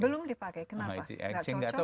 belum dipakai kenapa